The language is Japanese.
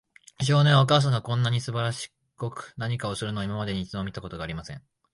少年は、お母さんがこんなにすばしこく何かするのを、今までに一度も見たことがありません。